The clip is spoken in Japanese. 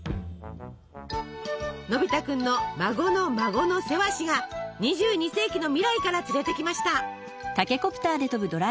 のび太くんの孫の孫のセワシが２２世紀の未来から連れてきました。